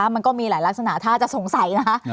มันก็มีหลายลักษณะถ้าจะสงสัยนะคะ